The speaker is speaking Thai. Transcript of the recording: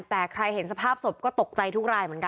แต่ใครเห็นสภาพศพก็ตกใจทุกรายเหมือนกัน